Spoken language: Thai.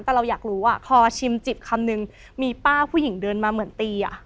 แต่เราอยากรู้พอชิมจิบคำนึงมีป้าผู้หญิงเดินมาเหมือนตี